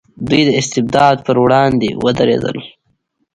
دوی د استبداد پر وړاندې ودرېدل.